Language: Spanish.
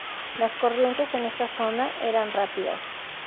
Las corrientes en esta zona eran rápidas.